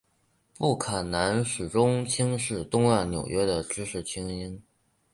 布坎南始终轻视东岸纽约的知识菁英。